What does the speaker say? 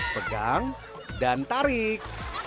pegang dan tarik